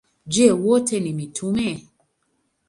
Je, wote ni mitume?